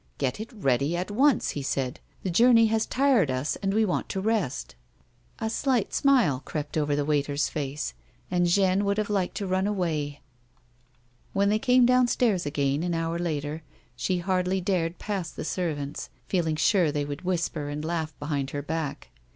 " Get it ready at once," he said. " The journey has tired us and we want to rest." A slight smile crept over the waiter's face, and Jeanne A WOMAJJ'S LIFE. 67 j> would have liked to run away ; when they came downstairs again, an hour later, she hardly dared pass the servants, feeling sure that they would whisper and laugh behind her back.